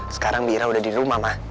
sekarang bira udah di rumah ma